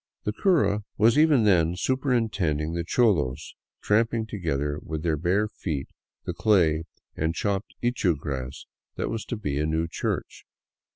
The cura was even then superintending the cholos tramp ing together with their bare feet the clay and chopped ichu grass that was to be a new church.